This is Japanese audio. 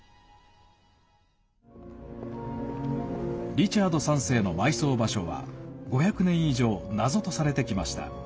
リチャード３世の埋葬場所は５００年以上謎とされてきました。